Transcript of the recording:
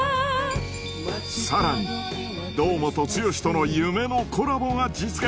さらに堂本剛との夢のコラボが実現